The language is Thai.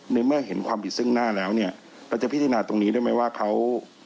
ในเมื่อเห็นความผิดซึ่งหน้าแล้วเนี่ยเราจะพิจารณาตรงนี้ได้ไหมว่าเขา